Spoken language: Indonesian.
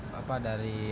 pak subyadin ya